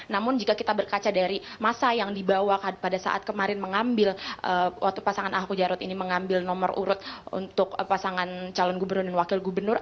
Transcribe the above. namun jika kita berkaca dari masa yang dibawa pada saat kemarin mengambil waktu pasangan ahok jarot ini mengambil nomor urut untuk pasangan calon gubernur dan wakil gubernur